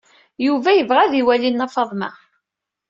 Yuba yebɣa ad iwali Nna Faḍma.